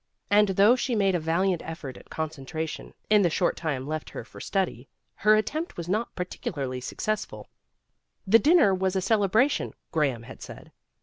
And though she made a valiant effort at concentra tion in the short time left her for study, her attempt was not particularly successful. The dinner was a celebration, Graham had said.